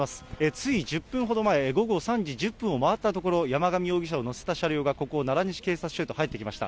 つい１０分ほど前、午後３時１０分を回ったところ、山上容疑者を乗せた車両がここ、奈良西警察署へと入ってきました。